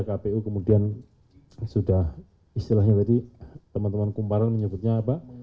kpu kemudian sudah istilahnya tadi teman teman kumparan menyebutnya apa